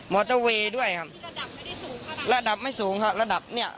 มอเตอร์เวย์ด้วยครับระดับไม่สูงครับระดับเนี่ย